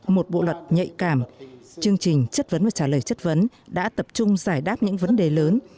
một bộ luật nhạy cảm chương trình chất vấn và trả lời chất vấn đã tập trung giải đáp những vấn đề lớn